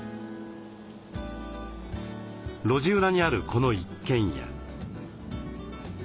路地裏にあるこの一軒家。